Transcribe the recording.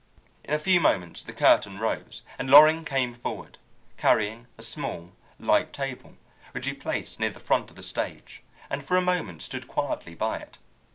In a few moments the curtain rose, and Loring came forward, carrying a small, light table, which he placed near the front of the stage, and for a moment stood quietly by it.